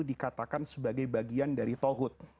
dikatakan sebagai bagian dari tauhud